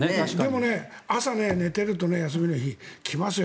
でも、朝寝ていると休みの日、来ますよ。